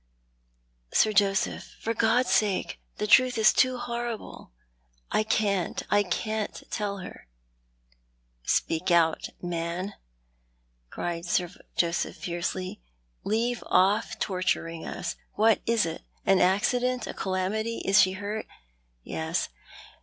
"Sir Joseph, for God's sake— the truth is too horrible! I can't, I can't lell her "" Speak out, man !" cried Sir Joseph, fiercely. " Leave off torturing us. What is it? An accident— a calamity — is she hurt ?"" Yes."